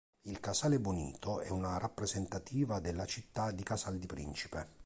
Il Casale Bonito è una rappresentativa della città di Casal di Principe.